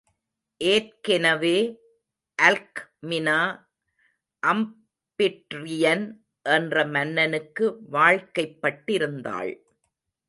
ஏற்கெனவே அல்க்மினா அம்பிட்ரியன் என்ற மன்னனுக்கு வாழ்க்கைப்பட்டிருந்தாள்.